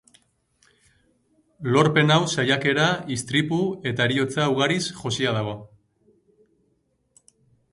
Lorpen hau saiakera, istripu eta heriotza ugariz josia dago.